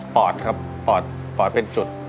ปอดครับปอดเป็นจุด